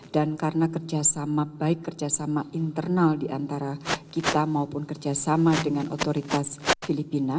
dan karena kerjasama baik kerjasama internal diantara kita maupun kerjasama dengan otoritas filipina